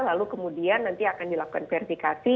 lalu kemudian nanti akan dilakukan verifikasi